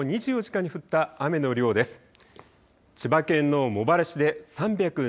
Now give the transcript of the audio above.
はい、この２４時間に降った雨の量です。